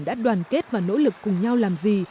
đã đoàn kết và nỗ lực cùng nhau làm gì